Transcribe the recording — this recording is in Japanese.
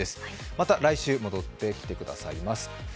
また来週戻ってきてくださいます。